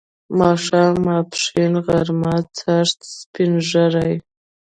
ماښام، ماپښین، غرمه، چاښت، سپین ږیری